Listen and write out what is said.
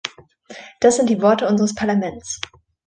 Das sind die Worte unseres Parlaments.